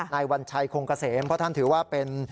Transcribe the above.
วัญชัยคงเกษมเพราะท่านถือว่าเป็น